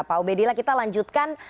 pak ubedillah kita lanjutkan